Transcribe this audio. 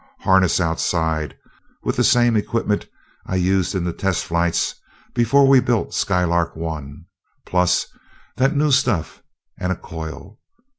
Harness outside, with the same equipment I used in the test flights before we built Skylark I plus the new stuff and a coil.